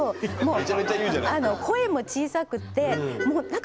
めちゃめちゃ言うじゃない。